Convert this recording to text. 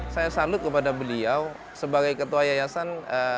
saya salut kepada beliau sebagai ketua yayasan